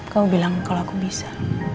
kau bilang kalau aku bisa